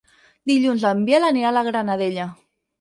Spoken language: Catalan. Dilluns en Biel anirà a la Granadella.